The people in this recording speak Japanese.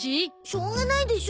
しょうがないでしょ。